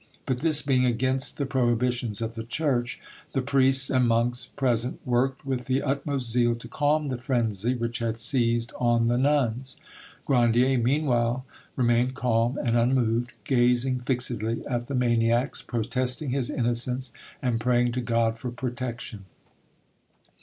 But this being against the prohibitions of the Church, the priests and monks present worked with the utmost zeal to calm the frenzy which had seized on the nuns. Grandier meanwhile remained calm and unmoved, gazing fixedly at the maniacs, protesting his innocence, and praying to God for protection.